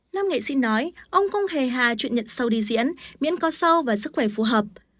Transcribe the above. năm nghệ sĩ nói ông không hề hà chuyện nhận sâu đi diễn miễn có sau và sức khỏe phù hợp